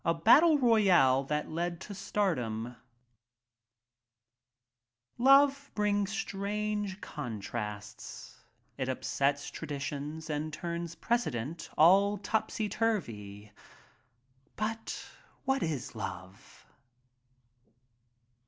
■\ Battle Royal That Led to Stardom OVE brings strange contrasts — it upsets traditions and turns precedent all topsy turvy. But what is love?